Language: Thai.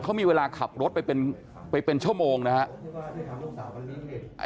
เขามีเวลาขับรถไปเป็นชั่วโมงนะครับ